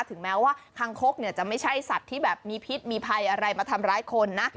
ถึงแม้ว่าคางคกจะไม่ใช่สัตว์ที่แบบมีพิษมีภัยอะไรมาทำร้ายคนนะ